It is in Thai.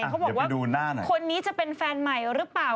เขาบอกว่าคนนี้จะเป็นแฟนใหม่หรือเปล่า